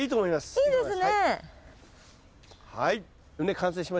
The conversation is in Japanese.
いいですね。